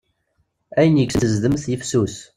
Ayen yekksen i tezdemt, yifsus.